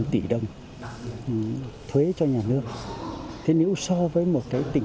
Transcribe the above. tân thưa quý vị